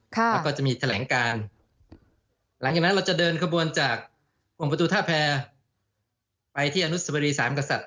แล้วก็จะมีแถลงการหลังจากนั้นเราจะเดินขบวนจากวงประตูท่าแพรไปที่อนุสวรีสามกษัตริย